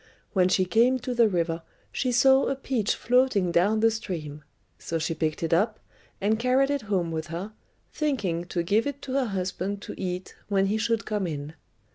When she came to the river, she saw a peach floating down the stream; so she picked it up, and carried it home with her, thinking to give it to her husband to eat when he should come in.